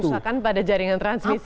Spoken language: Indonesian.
kerusakan pada jaringan transmisi itu